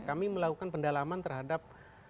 kami melakukan pendalaman terhadap